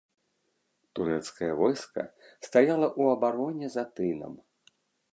Турэцкае войска стаяла ў абароне за тынам.